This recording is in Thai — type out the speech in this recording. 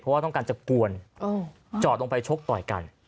เพราะว่าต้องการจะกวนจอดลงไปชกต่อยกัน